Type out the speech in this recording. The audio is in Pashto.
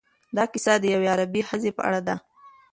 دا کيسه د یوې غریبې ښځې په اړه ده.